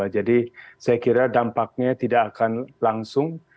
jadi saya kira dampaknya tidak akan langsung